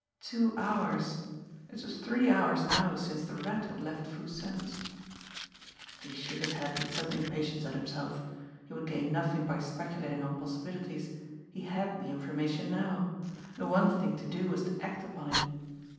Two hours! It was three hours now since the Rat had left Foo Sen's! He shook his head with sudden impatience at himself. He would gain nothing by speculating on possibilities! He had the information now. The one thing to do was to act upon it.